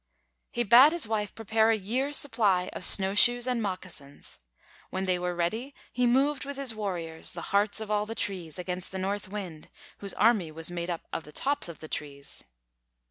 He bade his wife prepare a year's supply of snowshoes and moccasins; when they were ready, he moved with his warriors, the Hearts of All the Trees, against the North Wind, whose army was made up of the Tops of the Trees.